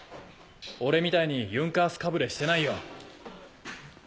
俺みたいにユンカースかぶれしてないよ。